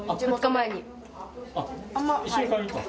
あっ一緒に買いに行った？